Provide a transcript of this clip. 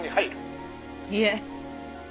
いえ。